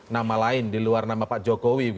nama lain di luar nama pak jokowi